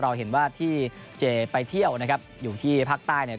เราเห็นว่าที่เจไปเที่ยวอยู่ที่พรรคใต้